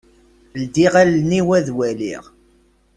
Ldiɣ allen-iw ad waliɣ.